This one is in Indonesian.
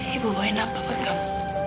ibu baik baik kamu